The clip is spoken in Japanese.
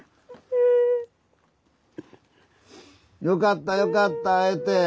よかったよかった会えて。